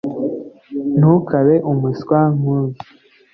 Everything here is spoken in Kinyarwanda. ntukabe umuswa nkuyu